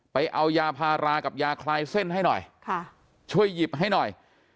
ไปเอายาพารากับยาคลายเส้นให้หน่อยค่ะช่วยหยิบให้หน่อย